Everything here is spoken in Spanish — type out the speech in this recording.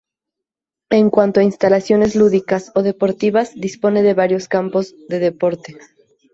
En cuanto a instalaciones lúdicas o deportivas, dispone de varios campos de deporte.